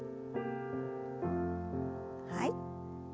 はい。